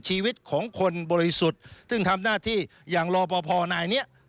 ชีวิตของคนบริสุทธิ์ซึ่งทำหน้าที่อย่างรอปภนายเนี้ย